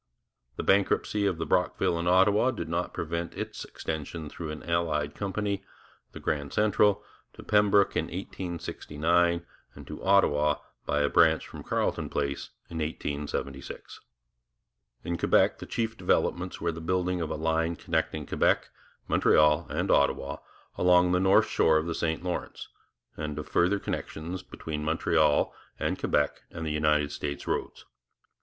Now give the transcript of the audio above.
The bankruptcy of the Brockville and Ottawa did not prevent its extension through an allied company, the Canada Central, to Pembroke in 1869 and to Ottawa, by a branch from Carleton Place, in 1876. In Quebec the chief developments were the building of a line connecting Quebec, Montreal, and Ottawa along the north shore of the St Lawrence, and of further connections between Montreal and Quebec and United States roads.